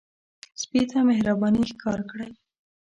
سپي ته مهرباني ښکار کړئ.